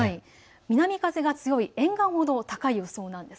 南風が強い、沿岸ほど高い予想です。